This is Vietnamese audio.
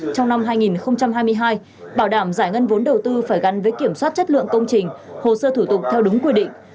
trong năm hai nghìn hai mươi hai bảo đảm giải ngân vốn đầu tư phải gắn với kiểm soát chất lượng công trình hồ sơ thủ tục theo đúng quy định